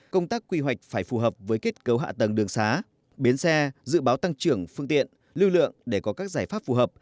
công tác quy hoạch phải phù hợp với kết cấu hạ tầng đường xá bến xe dự báo tăng trưởng phương tiện lưu lượng để có các giải pháp phù hợp